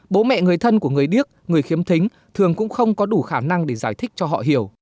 bố mẹ người thân của người điếc người khiếm thính thường cũng không có đủ khả năng để giải thích cho họ hiểu